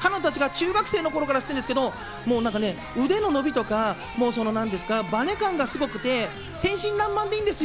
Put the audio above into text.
彼女たちが中学生の頃からしてるんですけど、腕の伸びとかバネ感がすごくて天真爛漫でいいんですよ。